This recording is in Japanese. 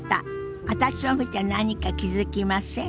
私を見て何か気付きません？